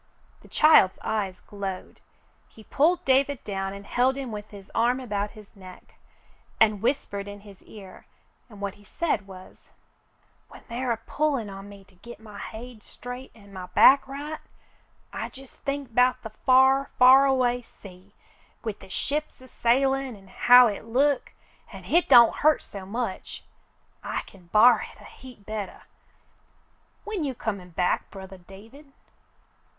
The child's eyes glowed. He pulled David down and held him with his arm about his neck, and whispered in his ear, and what he said was :— "When they're a pullin' on me to git my hade straight an' my back right, I jes' think 'bout the far — far away sea, with the ships a sailin' an' how hit look, an' hit don't hurt so much. I kin b'ar hit a heap bettah. When you comin' back, brothah David